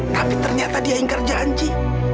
tapi ternyata dia ingkar janji